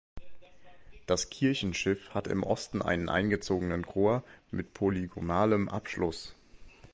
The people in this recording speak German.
Das Kirchenschiff hat im Osten einen eingezogenen Chor mit polygonalem Abschluss.